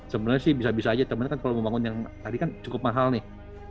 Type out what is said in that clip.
sebenarnya sih bisa bisa aja tapi kalau membangun yang tadi kan cukup mahal nih